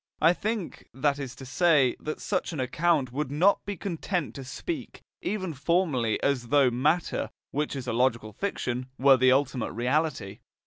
I think, that is to say, that such an account would not be content to speak, even formally, as though matter, which is a logical fiction, were the ultimate reality.